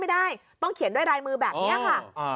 ไม่ได้ต้องเขียนด้วยลายมือแบบนี้ค่ะ